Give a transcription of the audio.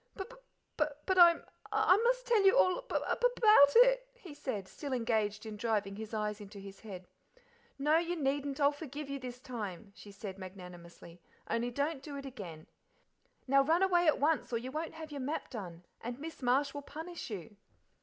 "But but I'm must tell you all ab ab about it," he said, still engaged in driving his eyes into his head. "No, you needn't; I'll forgive you this time," she said magnanimously, "only don't do it again. Now run away at once, or you won't have your map done, and miss Marsh will punish you."